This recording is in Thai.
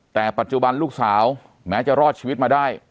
แต่ปัจจุบันลูกสาวแม้จะรอดชีวิตมาได้